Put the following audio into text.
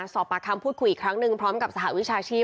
สอบปากคำพูดคุยอีกครั้งหนึ่งพร้อมกับสหวิชาชีพ